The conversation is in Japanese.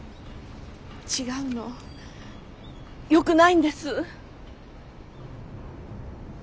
違うのよくないんです。